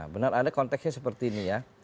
benar ada konteksnya seperti ini ya